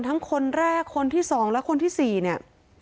ทั้งคนแรกคนที่๒คนที่๔เนี่ย